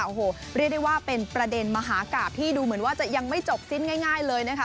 โอ้โหเรียกได้ว่าเป็นประเด็นมหากราบที่ดูเหมือนว่าจะยังไม่จบสิ้นง่ายเลยนะคะ